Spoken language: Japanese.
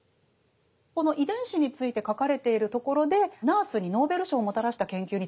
この遺伝子について書かれているところでナースにノーベル賞をもたらした研究について書かれてますね。